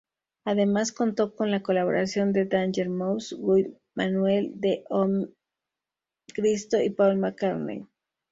Además contó con la colaboración de Danger Mouse, Guy-Manuel de Homem-Christo y Paul McCartney.